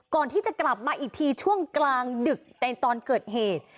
ก่อนที่จะกลับมาอีกทีช่วงกลางดึกในตอนเกิดเหตุ